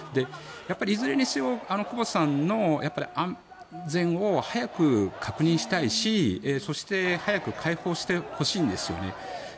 いずれにせよ久保田さんの安全を早く確認したいしそして早く解放してほしいんですよね。